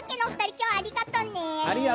今日はありがとうね。